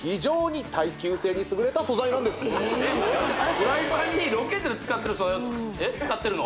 フライパンにロケットで使ってる素材を使ってるの？